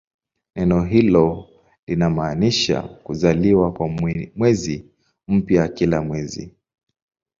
Neno hilo linamaanisha "kuzaliwa" kwa mwezi mpya kila mwezi.